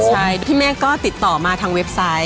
ใช่พี่เมฆก็ติดต่อมาทางเว็บไซต์